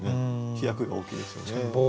飛躍が大きいですよね。